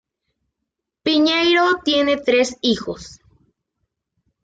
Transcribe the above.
Piñeiro tiene tres hijos.